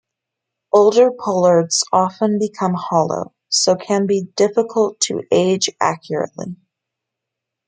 Older pollards often become hollow, so can be difficult to age accurately.